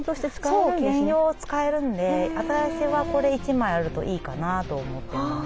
そう兼用使えるんで私はこれ１枚あるといいかなと思ってます。